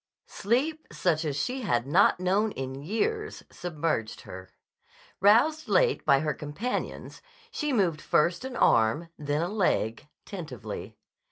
Sleep such as she had not known in years submerged her. Roused late by her companions, she moved first an arm, then a leg, tentatively.